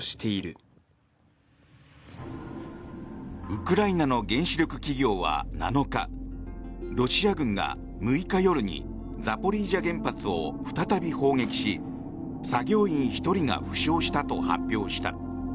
ウクライナの原子力企業は７日ロシア軍が６日夜にザポリージャ原発を再び砲撃し作業員１人が負傷したと発表した。